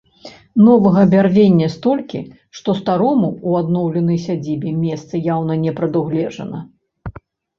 Новага бярвення столькі, што старому ў адноўленай сядзібе месца яўна не прадугледжана.